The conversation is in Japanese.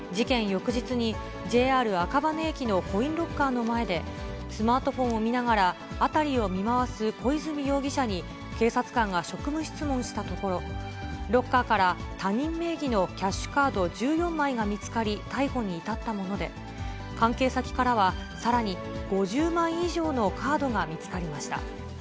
翌日に、ＪＲ赤羽駅のコインロッカーの前で、スマートフォンを見ながら、辺りを見回す小出水容疑者に警察官が職務質問したところ、ロッカーから他人名義のキャッシュカード１４枚が見つかり、逮捕に至ったもので、関係先からは、さらに５０枚以上のカードが見つかりました。